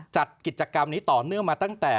จัดกิจกรรมนี้ต่อเนื่องมาตั้งแต่